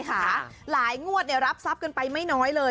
หลายงวดรับทรัพย์กันไปไม่น้อยเลย